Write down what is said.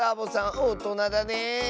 おとなだねえ。